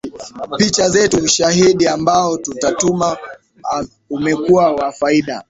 picha zetu ushahidi ambao tunatuma umekuwa wa faida